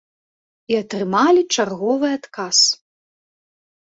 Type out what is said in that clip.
І атрымалі чарговы адказ.